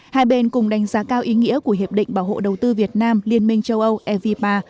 hai bên cùng đánh giá cao ý nghĩa của hiệp định bảo hộ đầu tư việt nam liên minh châu âu evpa